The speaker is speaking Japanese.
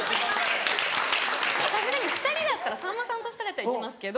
さすがに２人だったらさんまさんと２人だったら行きますけど。